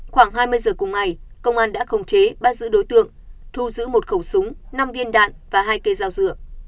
khoảng hai mươi giờ cùng ngày công an đã khống chế bắt giữ đối tượng thu giữ một khẩu súng năm viên đạn và hai cây dao dựa